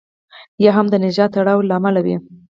یا هم د نژادي تړاو له امله وي.